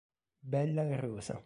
Bella La Rosa